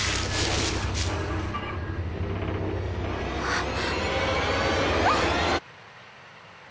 あっ！